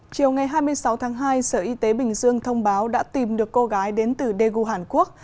chiều ngày hai mươi sáu tháng hai sở y tế bình dương thông báo đã tìm được cô gái đến từ daegu hàn quốc